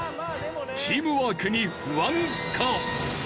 チームワークに不安か？